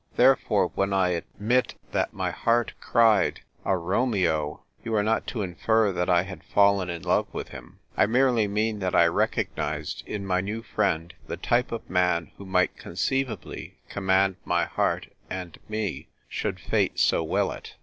Therefore, when I admit that my heart cried " A Romeo !" you are not to infer that I had fallen in love with him. I merely mean that I recognised in my new friend the type of man who might conceivably command my heart and me, should fate so will it.